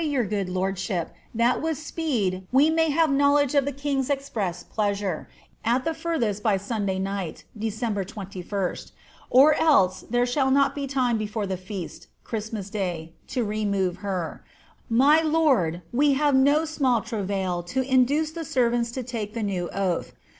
ill your good lordship that with ppeed we may have knowledge of the king's express pleasure, at the farthest by Sunday night [December 21], or else there shall iiot be time before the feast [Christmas day] to remove her. My lord, we hare no small travail to induce the servants to take the new oath.